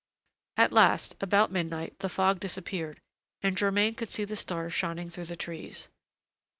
At last, about midnight, the fog disappeared, and Germain could see the stars shining through the trees.